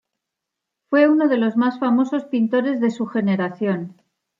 Fue uno de los más famosos pintores de su generación.